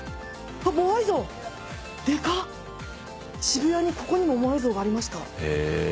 渋谷のここにもモアイ像がありました。